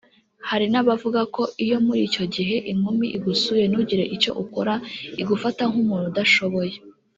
Hari n’abavuga ko iyo muri iki gihe inkumi igusuye ntugire icyo ukora igufata nk’umuntu udashoboye